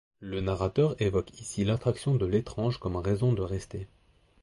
Le narrateur évoque ici l'attraction de l'étrange comme raison de rester.